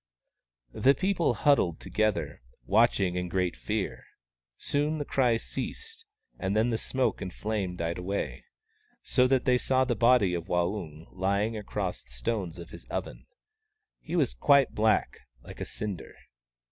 The people huddled together, watching, in great fear. Soon the cries ceased, and then the smoke and flame died away, so that they saw the body of Waung, lying across the stones of his oven. He was 64 WAUNG, THE CROW quite black, like a cinder.